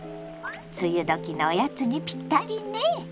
梅雨時のおやつにぴったりね。